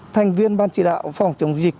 thành viên ban chỉ đạo phòng chống dịch